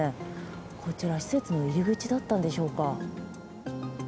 こちら施設の入り口だったんでしょうか。